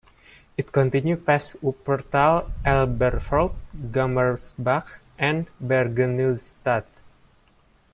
It continues past Wuppertal-Elberfeld, Gummersbach and Bergneustadt.